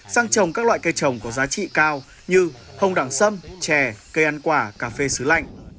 sang trồng các loại cây trồng có giá trị cao như hồng đẳng sâm chè cây ăn quả cà phê xứ lạnh